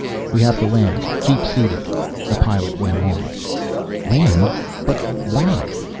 "We have to land. Keep seated." The pilot went on. "Land? But why?"